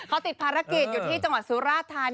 เขาติดภารกิจอยู่ที่จังหวัดสุราธานี